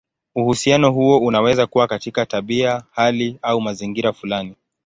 Uhusiano huo unaweza kuwa katika tabia, hali, au mazingira fulani.